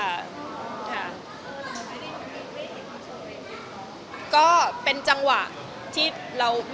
แล้วก็เลยโทรตาม